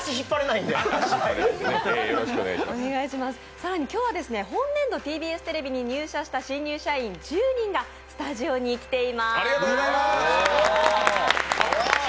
更に今日は本年度、ＴＢＳテレビに入社した新入社員１０人がスタジオに来ています。